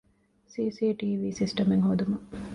ސީސީޓީވީ ސިސްޓަމެއް ހޯދުމަށް